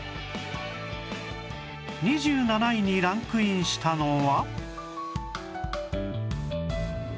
２７位にランクインしたのは